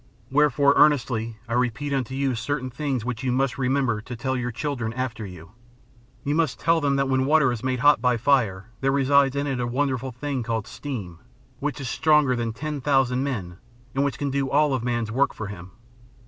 Wherefore, earnestly, I repeat unto you certain things which you must remember and tell to your children after you. You must tell them that when water is made hot by fire, there resides in it a wonderful thing called steam, which is stronger than ten thousand men and which can do all man's work for him.